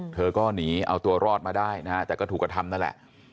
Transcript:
เธอก็หนีเอาตัวรอดมาได้นะฮะแต่ก็ถูกกระทำนั่นแหละ